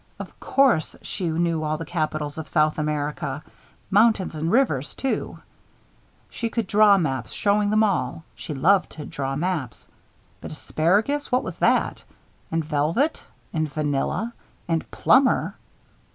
Of course she knew all the capitals of South America. Mountains and rivers, too. She could draw maps showing them all she loved to draw maps. But asparagus what was that? And velvet? And vanilla? And plumber?